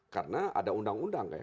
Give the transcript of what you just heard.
karena ada undang undang ya